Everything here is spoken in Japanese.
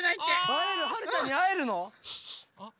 あえるはるちゃんにあえるの？